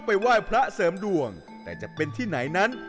ไหว้พระเสริมดวงแต่จะเป็นที่ไหนนั้น